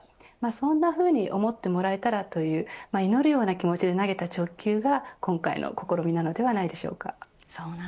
そんなふうに思ってもらえたらという祈るような気持ちで投げた直球が今回の試みではないでしょうか。